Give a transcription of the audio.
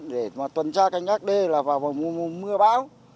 để mà tuần tra canh đê là vào mùa mưa bão